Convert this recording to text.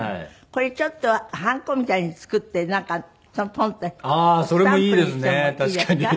これちょっとハンコみたいに作ってなんかポンってスタンプにしてもいいですか？